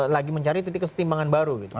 lagi mencari titik kesetimbangan baru gitu